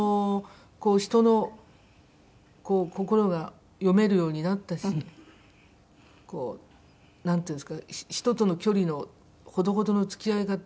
人のこう心が読めるようになったしこうなんていうんですか人との距離の程々の付き合い方。